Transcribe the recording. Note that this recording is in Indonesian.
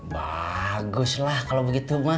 bagus lah kalau begitu mak